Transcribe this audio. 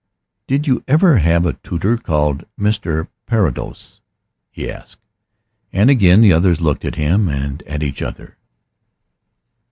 "Did you ever have a tutor called Mr. Parados?" he asked. And again the others looked at him and at each other.